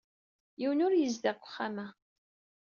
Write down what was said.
Yiwen ur yezdiɣ deg uxxam-a.